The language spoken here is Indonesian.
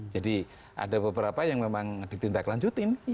jadi ada beberapa yang memang ditindaklanjutin